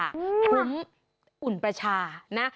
คุ้มอุ่นประชานะ